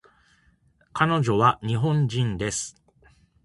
彼女は日本人です